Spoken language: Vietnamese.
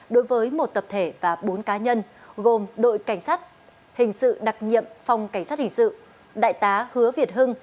đối với một tập thể và bốn cá nhân gồm đội cảnh sát hình sự đặc nhiệm phòng cảnh sát hình sự đại tá hứa việt hưng